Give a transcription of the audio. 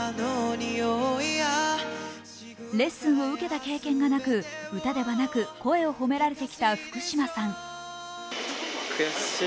レッスンを受けた経験がなく歌ではなく声を褒められてきた福嶌さん。